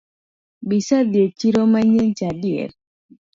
Be isedhii e chiro manyien cha adier?